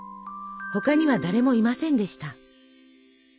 他には誰もいませんでした。